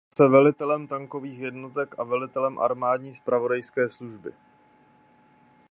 Stal se velitelem tankových jednotek a velitelem armádní zpravodajské služby.